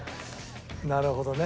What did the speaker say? なるほどね。